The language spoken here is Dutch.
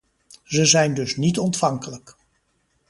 Ze zijn dus niet ontvankelijk.